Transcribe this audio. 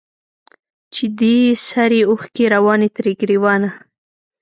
چي دي سرې اوښکي رواني تر ګرېوانه